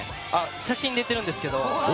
写真出ているんですけど。